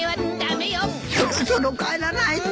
そろそろ帰らないと。